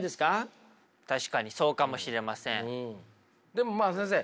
でもまあ先生。